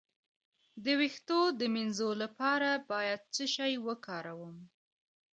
د ویښتو د مینځلو لپاره باید څه شی وکاروم؟